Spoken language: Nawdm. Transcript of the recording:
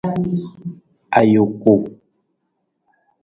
Ajuku.